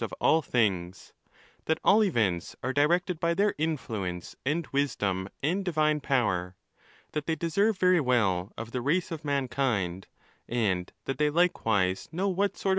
of all things,—that all events are directed by their influence, and wisdom, and Divine power; that they deserve very well of the race of mankind ; and that they likewise know what sort.